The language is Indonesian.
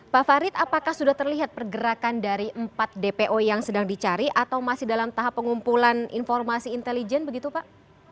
pak farid apakah sudah terlihat pergerakan dari empat dpo yang sedang dicari atau masih dalam tahap pengumpulan informasi intelijen begitu pak